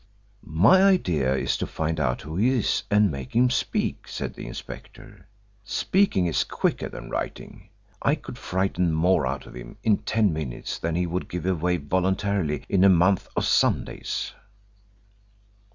"My idea is to find out who he is and make him speak," said the inspector, "Speaking is quicker than writing. I could frighten more out of him in ten minutes than he would give away voluntarily in a month of Sundays."